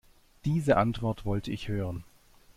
Diese Antwort wollte ich hören.